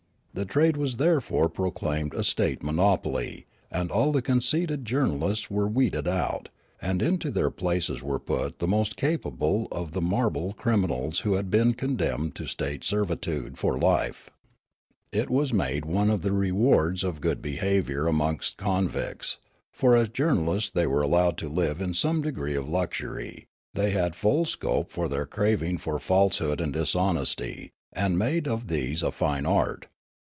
The trade was therefore proclaimed a state monopoly, and all the conceited journalists were weeded out ; and into their places were put the most capable of the marble criminals who had been condemned to state servitude for life. It was made one of the rewards of good be haviour amongst convicts ; for as journalists they were allowed to live in some degree of luxury ; they had full scope for their craving for falsehood and dishonesty, and made of these a fine art.